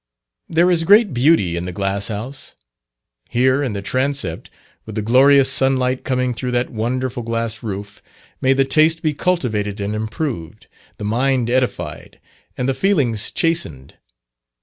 There is great beauty in the "Glass House." Here, in the transept, with the glorious sunlight coming through that wonderful glass roof, may the taste be cultivated and improved, the mind edified, and the feelings chastened.